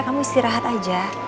kamu istirahat aja